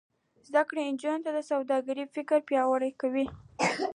زده کړه د نجونو د سوداګرۍ فکر پیاوړی کوي.